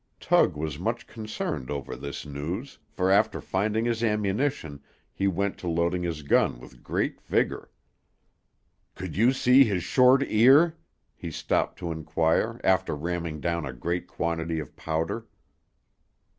Tug was much concerned over this news, for, after finding his ammunition, he went to loading his gun with great vigor. "Could you see his short ear?" he stopped to inquire, after ramming down a great quantity of powder.